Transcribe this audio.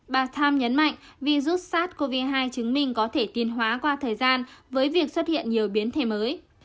bà time nhấn mạnh virus sars cov hai chứng minh có thể tiền hóa qua thời gian với việc xuất hiện nhiều biến thể mới